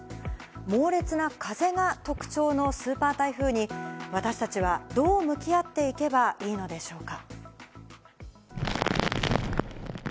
猛烈な風が特徴のスーパー台風に、私たちはどう向き合っていけばいいのでしょうか。